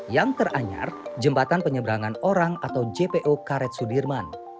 yang teranyar jembatan penyeberangan orang atau jpo karet sudirman